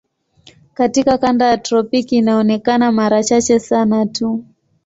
Katika kanda ya tropiki inaonekana mara chache sana tu.